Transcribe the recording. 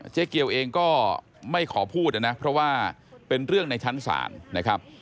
เจ๊เกียวเองก็ไม่ขอพูดนะนะเพราะว่าเป็นเรื่องในชั้นศาลนะครับ